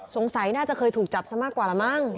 สงสัยน่าจะเคยถูกจับซะมากกว่าละมั้ง